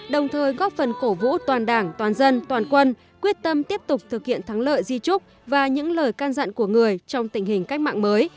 đồng thời góp phần cổ vũ toàn đảng toàn dân toàn quân quyết tâm tiếp tục thực hiện thắng lợi di trúc và những lời can dặn của người trong tình hình cách mạng mới